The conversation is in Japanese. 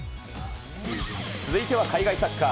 続いては海外サッカー。